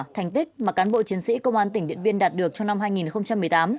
thành tích mà cán bộ chiến sĩ công an tỉnh điện biên đạt được trong năm hai nghìn một mươi tám